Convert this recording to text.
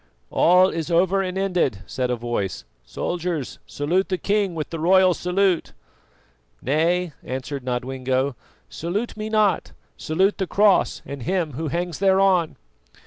"All is over and ended," said a voice. "Soldiers, salute the king with the royal salute." "Nay," answered Nodwengo. "Salute me not, salute the Cross and him who hangs thereon."